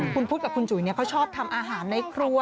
คุณพุทธกับคุณจุ๋ยเขาชอบทำอาหารในครัว